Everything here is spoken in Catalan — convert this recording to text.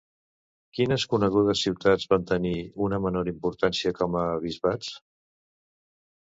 Quines conegudes ciutats van tenir una menor importància com a bisbats?